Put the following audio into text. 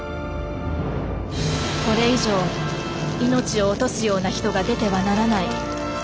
これ以上命を落とすような人が出てはならない。